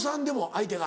相手が。